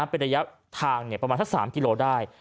เป็นระยะทางประมาณสัก๓กิโลได้